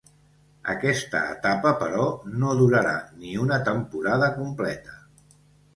Aquesta etapa però, no durarà ni una temporada completa.